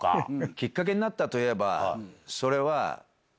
きっかけになったといえば。